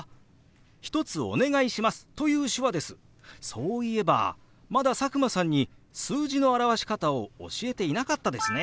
そういえばまだ佐久間さんに数字の表し方を教えていなかったですね。